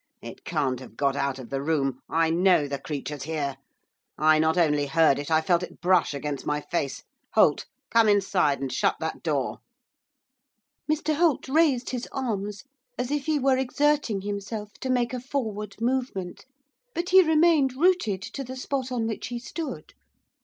It can't have got out of the room, I know the creature's here; I not only heard it, I felt it brush against my face. Holt, come inside and shut that door.' Mr Holt raised his arms, as if he were exerting himself to make a forward movement, but he remained rooted to the spot on which he stood.